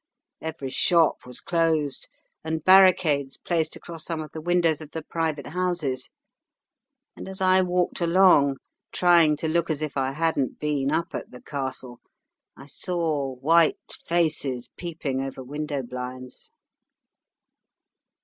Every shop was closed, and barricades placed across some of the windows of the private houses; and as I walked along, trying to look as if I hadn't been up at the Castle, I saw white faces peeping over window blinds.